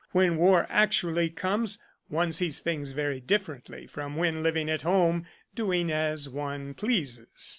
When war actually comes one sees things very differently from when living at home doing as one pleases."